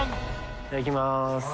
いただきます。